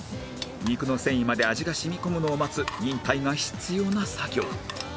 肉の繊維まで味が染み込むのを待つ忍耐が必要な作業